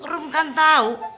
rom kan tau